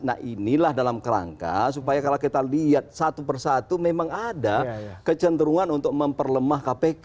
nah inilah dalam kerangka supaya kalau kita lihat satu persatu memang ada kecenderungan untuk memperlemah kpk